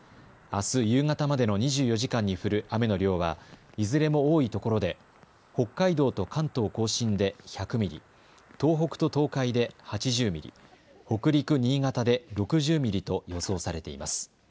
あす夕方までの２４時間に降る雨の量はいずれも多いところで北海道と関東甲信で１００ミリ、東北と東海で８０ミリ、北陸、新潟で６０ミリと予想されています。